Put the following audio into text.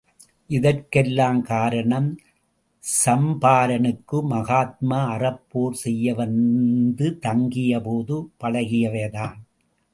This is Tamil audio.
இதற்கெல்லாம் காரணம், சம்பரானுக்கு மகாத்மா அறப்போர் செய்ய வந்து தங்கிய போது பழகியவைதான்.